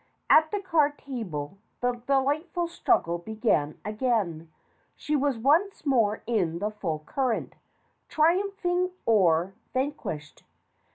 At the card table the delightful struggle began again she was once more in the full current, triumphing or vanquished.